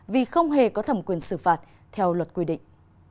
vì không hề có thẩm quyền xử phạt theo luật quy định